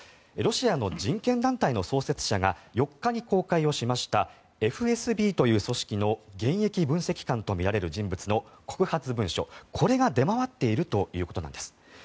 ロシアの人権団体の創設者が４日に公開しましたＦＳＢという組織の現役分析官とみられる人物の告発文書、これが出回っているということなんです。